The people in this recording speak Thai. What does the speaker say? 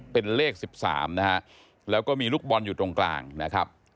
เป็นเลข๑๓นะฮะแล้วก็มีลูกบอลอยู่ตรงกลางนะครับ